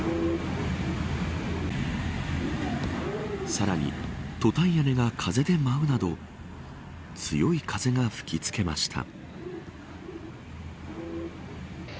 さらにトタン屋根が風で舞うなど強い風が吹き付けました。